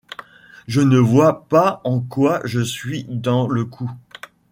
Je ne vois pas en quoi je suis dans le coup.